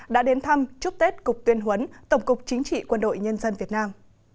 đã đến thăm chúc tết cục tuyên huấn tổng cục chính trị quân đội nhân dân việt nam